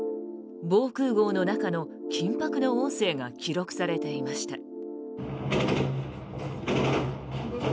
防空壕の中の緊迫の音声が記録されていました。